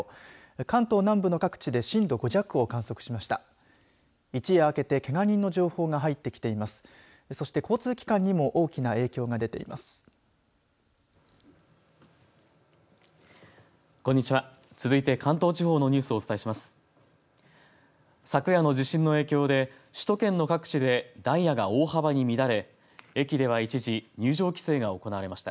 関東南部の各地で震度５弱を観測しました。